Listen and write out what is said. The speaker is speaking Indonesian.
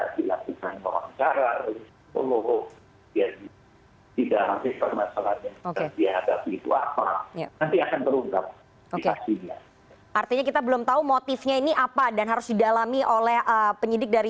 dikikil dan sebagainya